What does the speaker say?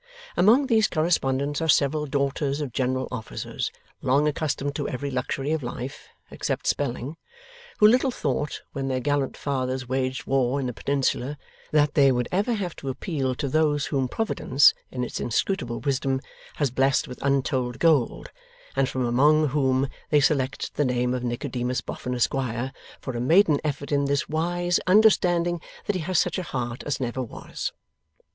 Among these correspondents are several daughters of general officers, long accustomed to every luxury of life (except spelling), who little thought, when their gallant fathers waged war in the Peninsula, that they would ever have to appeal to those whom Providence, in its inscrutable wisdom, has blessed with untold gold, and from among whom they select the name of Nicodemus Boffin, Esquire, for a maiden effort in this wise, understanding that he has such a heart as never was.